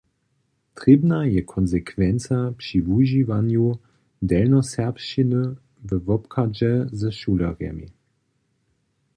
Trěbna je konsekwenca při wužiwanju delnjoserbšćiny we wobchadźe ze šulerjemi.